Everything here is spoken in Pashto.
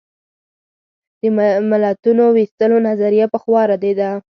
د ملتونو وېستلو نظریه پخوا ردېده.